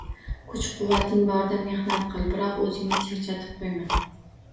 Kuch-quvvating borida mehnat qil, biroq o‘zingni charchatib qo‘yma.